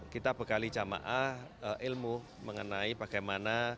kita bekali jamaah ilmu mengenai bagaimana